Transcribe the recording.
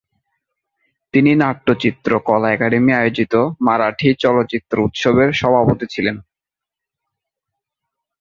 তিনি নাট্য চিত্র কলা একাডেমি আয়োজিত মারাঠি চলচ্চিত্র উৎসবের সভাপতি ছিলেন।